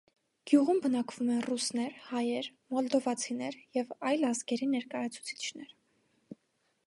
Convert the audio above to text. Գյուղում բնակվում են ռուսներ, հայեր, մոլդովացիներ և այլ ազգերի ներկայացուցիչներ։